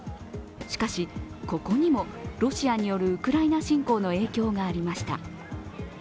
しかし、ここにもロシアによるウクライナ侵攻の影響がありました。